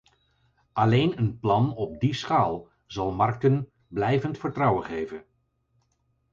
Alleen een plan op die schaal zal markten blijvend vertrouwen geven.